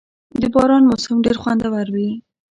• د باران موسم ډېر خوندور وي.